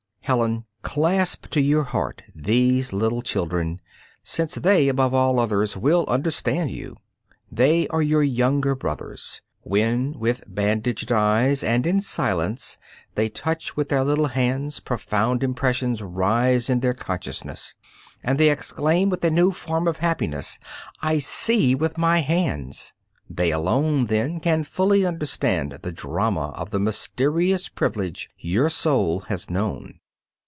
Helen, clasp to your heart these little children, since they, above all others, will understand you. They are your younger brothers: when, with bandaged eyes and in silence, they touch with their little hands, profound impressions rise in their consciousness, and they exclaim with a new form of happiness: "I see with my hands." They alone, then, can fully understand the drama of the mysterious privilege your soul has known.